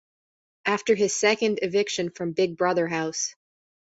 After his second eviction from Big Brother house.